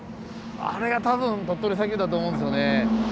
あれが多分鳥取砂丘だと思うんですよね。